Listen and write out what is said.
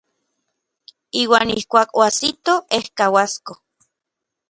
Iuan ijkuak oajsitoj ejkauasko.